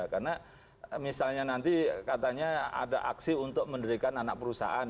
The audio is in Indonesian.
karena misalnya nanti katanya ada aksi untuk menerikan anak perusahaan